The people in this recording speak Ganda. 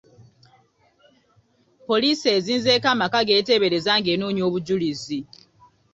Poliisi ezinzeeko amaka g'eteebereza ng'enoonya obujulizi.